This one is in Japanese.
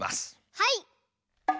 はい！